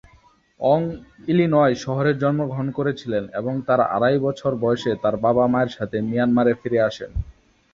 অং Illinois শহরে জন্মগ্রহণ করেছিলেন এবং তার আড়াই বছর বয়সে তার বাবা-মায়ের সাথে মিয়ানমারে ফিরে আসেন।